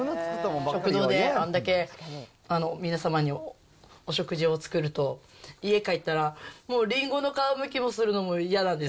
食堂であんだけ、皆様にお食事を作ると、家帰ったら、もうリンゴの皮むきをするのも嫌なんです。